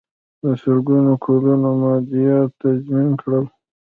د سلګونو کلونو مادیات تضمین کړل.